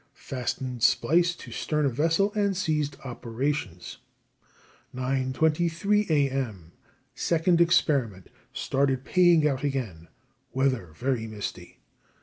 Fastened splice to stern of vessel and ceased operations. 9.23 A.M., second experiment. Started paying out again. Weather very misty.